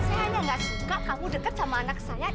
saya hanya gak suka kamu deket sama anak saya